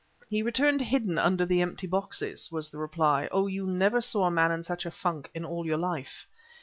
"He returned hidden under the empty boxes," was the reply. "Oh! you never saw a man in such a funk in all your life!"